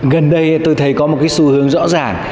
gần đây tôi thấy có một cái xu hướng rõ ràng